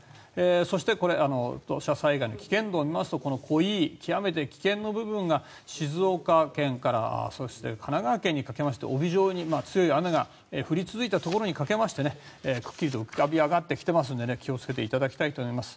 そして土砂災害の危険度を見ますと濃い色、極めて危険の部分が静岡県から神奈川県にかけまして帯状に強い雨が降り続いたところにはっきりと浮かび上がっていますので気を付けていただきたいと思います。